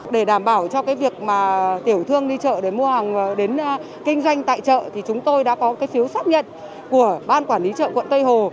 để đảm bảo cho cái việc mà tiểu thương đi chợ để mua hàng đến kinh doanh tại chợ thì chúng tôi đã có cái phiếu xác nhận của ban quản lý chợ quận tây hồ